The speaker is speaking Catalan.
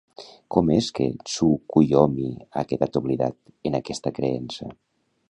Com és que Tsukuyomi ha quedat oblidat, en aquesta creença?